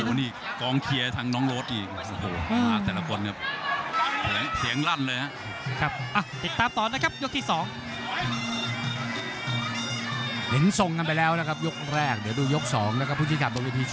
วันนี้กองเคลียร์ทางด้านน้องโรสอีกหาแต่ละคนเตะแขวน